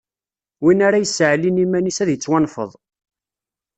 Win ara yesseɛlin iman-is, ad d-ittwanfeḍ.